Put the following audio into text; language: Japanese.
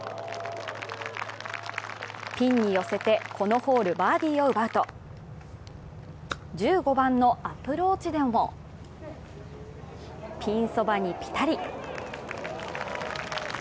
ピンに寄せて、このホール、バーディーを奪うと、１５番のアプローチでもピンそばにピタリ。